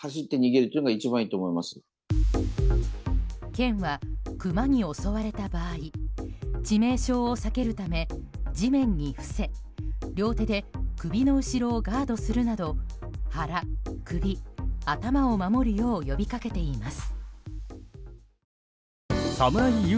県は、クマに襲われた場合致命傷を避けるため地面に伏せ、両手で首の後ろをガードするなど腹、首、頭を守るよう呼びかけています。